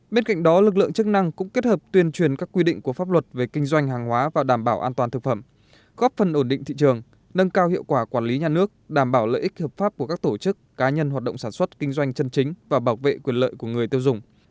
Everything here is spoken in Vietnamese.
bên cạnh đó lực lượng chức năng cũng kết hợp tuyên truyền các quy định của pháp luật về kinh doanh hàng hóa và đảm bảo an toàn thực phẩm góp phần ổn định thị trường nâng cao hiệu quả quản lý nhà nước đảm bảo lợi ích hợp pháp của các tổ chức cá nhân hoạt động sản xuất kinh doanh chân chính và bảo vệ quyền lợi của người tiêu dùng